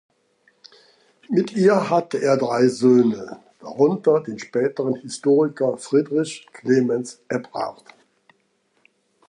Mit ihr hatte er drei Söhne, darunter den späteren Historiker Friedrich Clemens Ebrard.